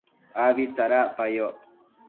abi tsadacpayoc